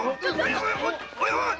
おいおい！